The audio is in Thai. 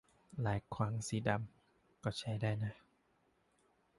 ลายขวางสีดำ ก็ใช้ได้นะ